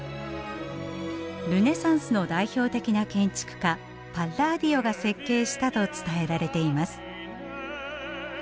ルネサンスの代表的な建築家パッラーディオが設計したと伝えられています。